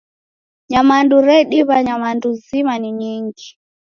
Nyamandu rediw'a nyamandu zima ni nyingi.